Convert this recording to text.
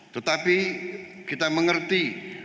tetapi kita mengerti